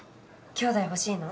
きょうだい欲しいの？